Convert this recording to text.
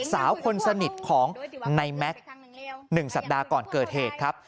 สาวคนสนิทของในแม็กซ์๑สัปดาห์ก่อนเกิดเหตุครับ